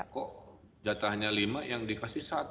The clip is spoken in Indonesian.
kok jatahnya lima yang dikasih satu